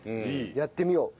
やってみよう。